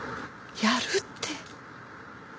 やるって。